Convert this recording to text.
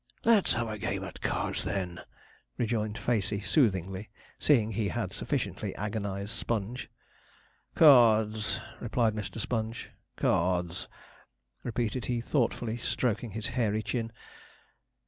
'Let's have a game at cards, then,' rejoined Facey soothingly, seeing he had sufficiently agonized Sponge. 'Cards,' replied Mr. Sponge. 'Cards,' repeated he thoughtfully, stroking his hairy chin.